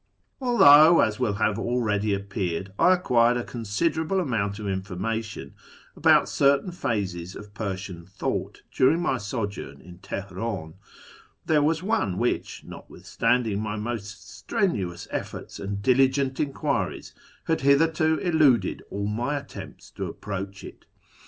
Although, as will have already appeared, I acquired a ■onsiderable amount of information about certain phases of 'ersian thought during my sojourn in Teheran, there was me which, notwithstanding my most strenuous efforts and liligent enquiries, had hitherto eluded all my attempts to pproach it.